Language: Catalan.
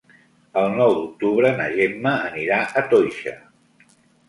El nou d'octubre na Gemma anirà a Toixa.